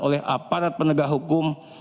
oleh aparat penegak hukum